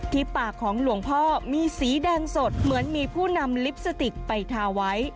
ที่ปากของหลวงพ่อมีสีแดงสดเหมือนมีผู้นำลิปสติกไปทาไว้